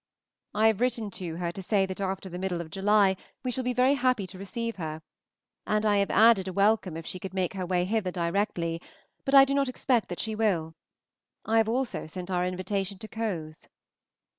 I have written to her to say that after the middle of July we shall be happy to receive her, and I have added a welcome if she could make her way hither directly, but I do not expect that she will. I have also sent our invitation to Cowes.